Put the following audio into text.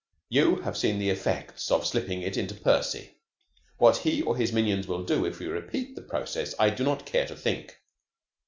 You have seen the effects of slipping it into Percy. What he or his minions will do if we repeat the process I do not care to think."